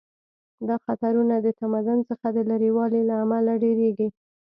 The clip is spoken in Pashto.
دا خطرونه د تمدن څخه د لرې والي له امله ډیریږي